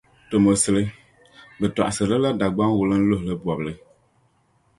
Tomosili, bɛ tͻɣisiri li la Dagbaŋ wulinluhili bͻbili.